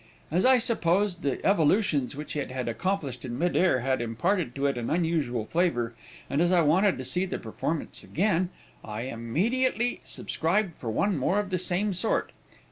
As I supposed the evolutions which it had accomplished in mid air had imparted to it an unusual flavor, and as I wanted to see the performance again, I immediately subscribed for one more of the same sort.